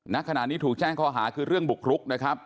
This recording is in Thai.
ณขณะนี้ถูกแจ้งข้อหาคือเรื่องบุกรุกนะครับ